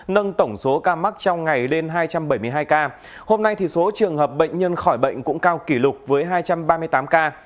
nâng tổng số ca mắc trong ngày lên hai trăm bảy mươi hai ca hôm nay số trường hợp bệnh nhân khỏi bệnh cũng cao kỷ lục với hai trăm ba mươi tám ca